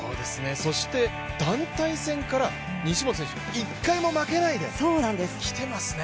そして団体戦から西本選１回も負けないできてますね。